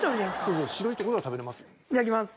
いただきます。